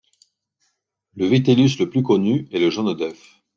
Le vitellus le plus connu est le jaune d'œuf.